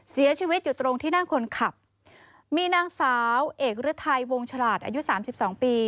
เสียชีวิตอยู่ตรงที่นั่งคนขับมีนางสาวเอกเรือไทยวงฉลาดอายุ๓๒ปี